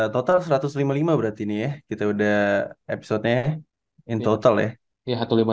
total satu ratus lima puluh lima berarti ini ya kita udah episode nya in total ya